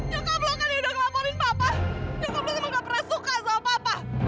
ya kamu semua gak pernah suka sama papa